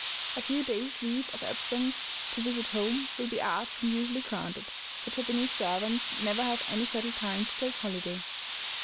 A few days' leave of absence to visit home will be asked and usually granted, for Japanese servants never have any settled time to take holiday.